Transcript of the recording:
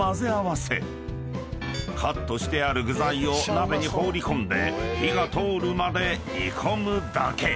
［カットしてある具材を鍋に放り込んで火が通るまで煮込むだけ］